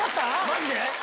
マジで⁉